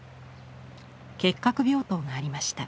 結核病棟がありました。